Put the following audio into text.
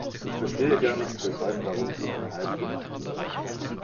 Ich verstehe gar nicht, weshalb darum so ein Hype gemacht wird.